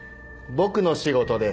僕の仕事です。